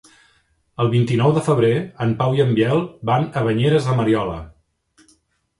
El vint-i-nou de febrer en Pau i en Biel van a Banyeres de Mariola.